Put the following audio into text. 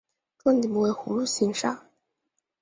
幢顶部为葫芦形刹。